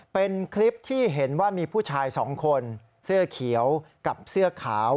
เป็นคลิปที่เห็นว่ามีผู้ชายสองคนเสื้อเขียวกับเสื้อขาว